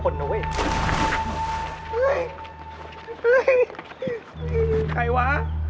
นี่ใครว่ะ